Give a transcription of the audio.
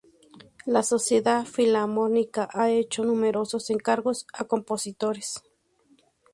La Sociedad Filarmónica ha hecho numerosos encargos a compositores.